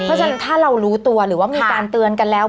เพราะฉะนั้นถ้าเรารู้ตัวหรือว่ามีการเตือนกันแล้ว